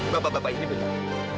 bapak bapak ini benar